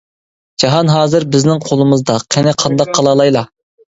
— جاھان ھازىر بىزنىڭ قولىمىزدا، قېنى قانداق قىلالايلا؟ !